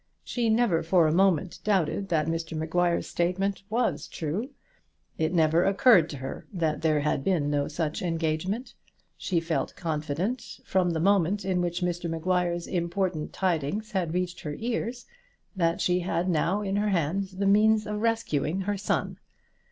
She never for a moment doubted that Mr Maguire's statement was true. It never occurred to her that there had been no such engagement. She felt confident from the moment in which Mr Maguire's important tidings had reached her ears that she had now in her hands the means of rescuing her son.